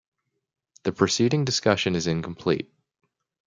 The preceding discussion is incomplete.